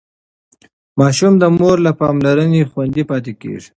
ماشوم د مور له پاملرنې خوندي پاتې کېږي.